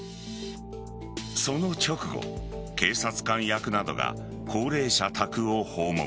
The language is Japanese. その直後警察官役などが高齢者宅を訪問。